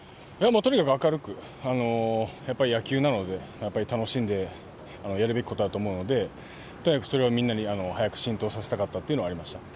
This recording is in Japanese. とにかく明るく野球なので楽しんでやるべきことだと思うのでそれはみんなに早く浸透させたかったというのはありました。